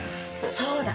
そうだ。